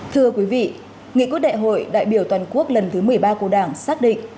thưa quý vị nghị quyết đại hội đại biểu toàn quốc lần thứ một mươi ba của đảng xác định